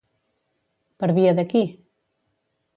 Per via de qui?